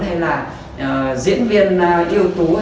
hay là diễn viên yêu tú